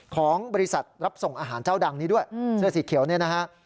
ของบริษัทรับส่งอาหารเจ้าดังนี้ด้วยเสื้อสีเขียวเนี่ยนะฮะ